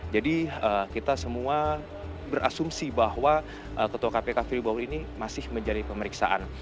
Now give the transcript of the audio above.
jadi kita semua berasumsi bahwa ketua kpk fili bahuri ini masih menjadi pemeriksaan